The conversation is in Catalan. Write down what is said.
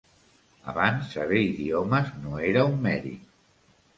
Abans, saber idiomes no era un mèrit.